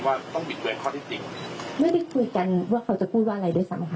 ว่าต้องบิดเบือนข้อที่จริงไม่ได้คุยกันว่าเขาจะพูดว่าอะไรด้วยซ้ำค่ะ